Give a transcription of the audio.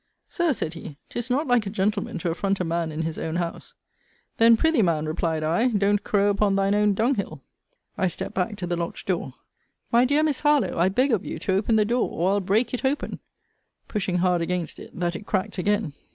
Sir, said he, 'tis not like a gentleman, to affront a man in his own house. Then prythee, man, replied I, don't crow upon thine own dunghil. I stept back to the locked door: My dear Miss Harlowe, I beg of you to open the door, or I'll break it open; pushing hard against it, that it cracked again.